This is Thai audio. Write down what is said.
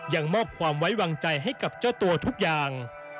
ยังมอบความไว้วางใจให้กับเจ้าตัวทุกอย่าง